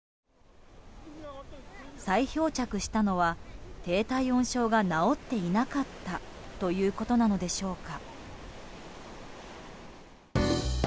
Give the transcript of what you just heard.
再漂着したのは低体温症が治っていなかったということなのでしょうか。